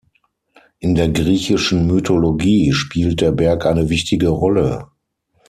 In der griechischen Mythologie spielt der Berg eine wichtige Rolle.